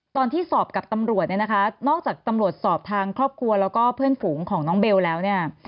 ตอนที่สอบกับตำรวจเนี่ยนะคะนอกจากตำรวจสอบทางครอบครัวแล้วก็เพื่อนฝูงของน้องเบลแล้วเนี่ย